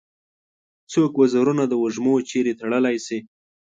څوک وزرونه د وږمو چیري تړلای شي؟